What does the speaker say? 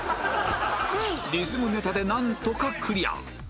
リズムネタでなんとかクリア